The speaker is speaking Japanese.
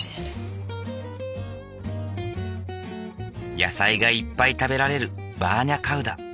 野菜がいっぱい食べられるバーニャカウダ。